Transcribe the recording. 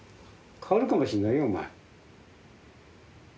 変わるかもしんないよお前。